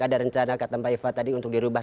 ada rencana kata mbak eva tadi untuk dirubah